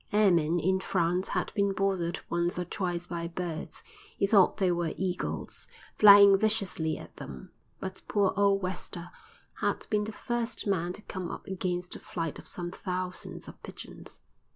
Airmen in France had been bothered once or twice by birds—he thought they were eagles—flying viciously at them, but poor old "Wester" had been the first man to come up against a flight of some thousands of pigeons.